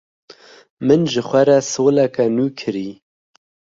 Min ji xwe re soleke nû kirî.